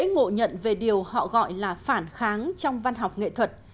những mộ nhận về điều họ gọi là phản kháng trong văn học nghệ thuật